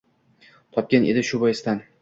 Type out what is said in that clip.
Topgan edi shu boisdan